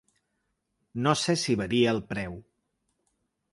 No se si varia el preu.